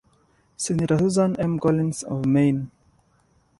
Senator Susan M. Collins of Maine.